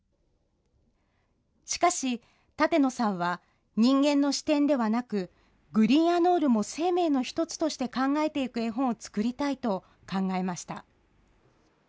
しかし、舘野さんは人間の視点ではなく、グリーンアノールも生命の一つとして考えていく絵本を作りたいと考えました。